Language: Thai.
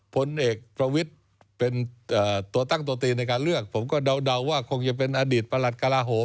ผลเอกประวิทย์เป็นตัวตั้งตัวตีในการเลือกผมก็เดาว่าคงจะเป็นอดีตประหลัดกระลาโหม